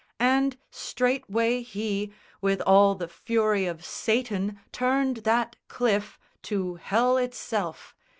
And straightway he, With all the fury of Satan, turned that cliff To hell itself.